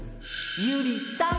ゆりたん。